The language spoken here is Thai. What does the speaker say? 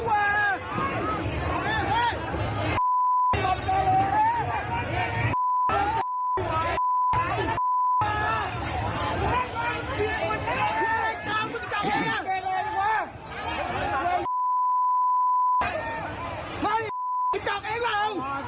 โอ้สิบเดี๋ยวเลยวะฮัยยิงจักเองแหละหรอ